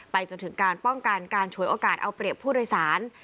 จนถึงการป้องกันการฉวยโอกาสเอาเปรียบผู้โดยสาร